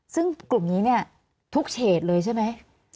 ซึ่งกลุ่มนี้เนี่ยทุกเฉดเลยใช่ไหม